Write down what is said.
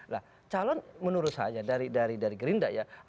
nah calon menurut saya dari gerinda ya